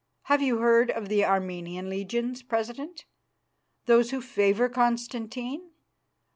Have you heard of the Armenian legions, President, those who favour Constantine?